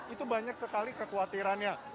itu banyak sekali kekhawatirannya